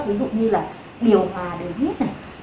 ví dụ như là điều hòa đời huyết